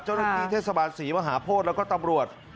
เจ้าหน้าที่เทศบาลศรีมหาโพธิแล้วก็ตำรวจ